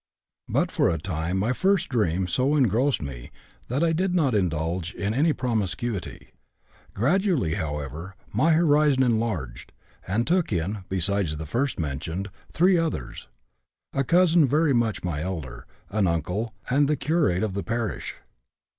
But for a time my first dream so engrossed me that I did not indulge in any promiscuity. Gradually, however, my horizon enlarged, and took in, besides the first mentioned, three others: a cousin very much my elder, an uncle, and the curate of the parish.